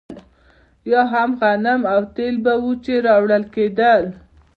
یا هم غنم او تېل به وو چې راوړل کېدل.